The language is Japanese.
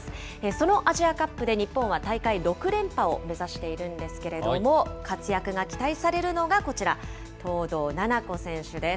そのアジアカップで日本は大会６連覇を目指しているんですけれども、活躍が期待されるのがこちら、東藤なな子選手です。